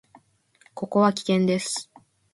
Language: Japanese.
ここは危険です。